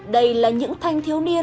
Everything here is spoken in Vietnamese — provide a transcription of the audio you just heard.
đây là những thanh thiếu niên